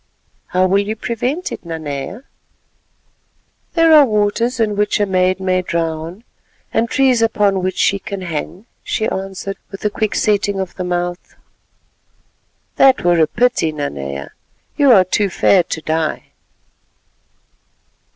"How will you prevent it, Nanea?" "There are waters in which a maid may drown, and trees upon which she can hang," she answered with a quick setting of the mouth. "That were a pity, Nanea, you are too fair to die."